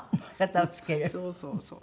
そうそうそう。